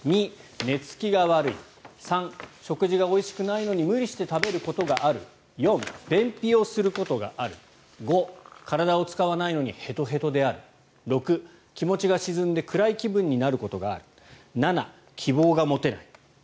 ２、寝付きが悪い３、食事がおいしくないのに無理して食べることがある４、便秘をすることがある５、体を使わないのにヘトヘトである６、気持ちが沈んで暗い気分になることがある７、希望が持てない